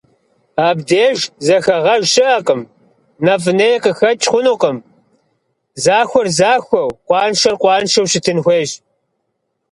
Абдеж зэхэгъэж щыӀэкъым, нэфӀ-ней къыхэкӀ хъунукъым: захуэр захуэу, къуаншэр къуаншэу щытын хуейщ.